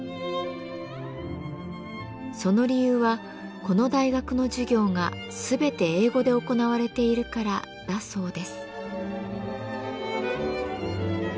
その理由はこの大学の授業が全て英語で行われているからだそうです。